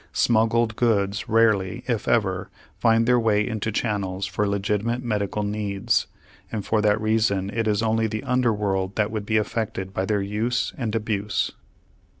Smuggled goods rarely, if ever, find their way into channels for legitimate medical needs, and for that reason it is only the under world that would be affected by their use and abuse.